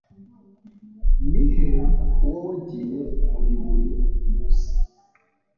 Ni he uba wajyiye buri buri munsi?